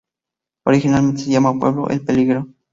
Originalmente se llamó pueblo "El Peligro".